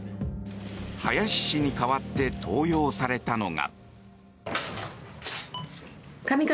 林氏に代わって登用されたのが。